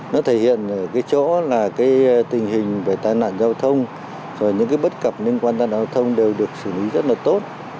nó thể hiện ở cái chỗ là cái tình hình về tai nạn giao thông rồi những cái bất cập liên quan tai nạn giao thông đều được xử lý rất là tốt